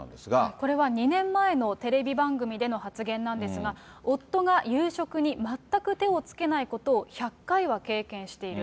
これは２年前のテレビ番組での発言なんですが、夫が夕食に全く手をつけないことを１００回は経験している。